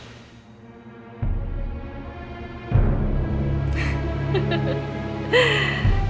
untuk selamanya nyonya